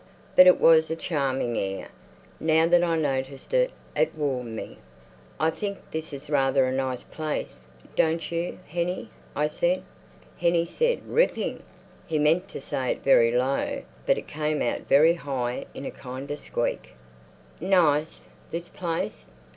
But it was a charming air. Now that I noticed it, it warmed me. "I think this is rather a nice place, don't you, Hennie?" I said. Hennie said: "Ripping!" He meant to say it very low, but it came out very high in a kind of squeak. Nice? This place?